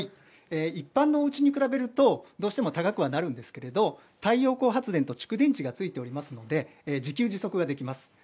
一般のおうちに比べると、どうしても高くはなるんですけれど、太陽光発電と蓄電池がついておりますので、自給自足ができます。